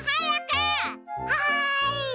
はい！